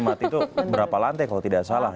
mati itu berapa lantai kalau tidak salah